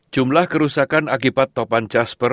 jumlah kerusakan akibat topan jasper